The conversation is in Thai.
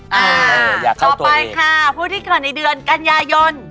ต่อไปค่ะผู้ที่เกิดในเดือนกันยายน